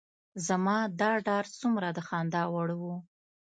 زما دا ډار څومره د خندا وړ و.